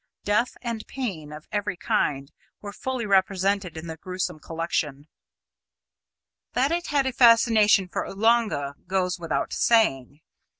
Death and pain of every kind were fully represented in that gruesome collection. That it had a fascination for Oolanga goes without saying.